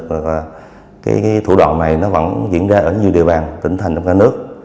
và cái thủ đoạn này nó vẫn diễn ra ở nhiều địa bàn tỉnh thành trong cả nước